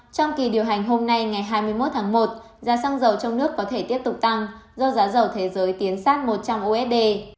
trong kỳ điều hành hôm nay ngày hai mươi một tháng một giá xăng dầu trong nước có thể tiếp tục tăng do giá dầu thế giới tiến sát một trăm linh usd